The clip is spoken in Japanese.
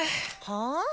はあ？